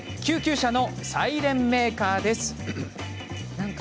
救急車のサイレンメーカーです。